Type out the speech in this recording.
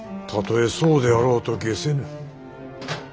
たとえそうであろうとげせぬ。